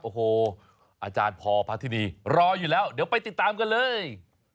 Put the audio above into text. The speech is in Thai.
โอ้โหอาจารย์พอพระธินีรออยู่แล้วเดี๋ยวไปติดตามกันเลย